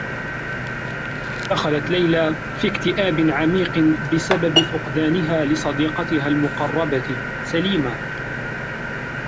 دخلت ليلى في اكتئاب عميق بسبب فقدانها لصديقتها المقرّبة، سليمة.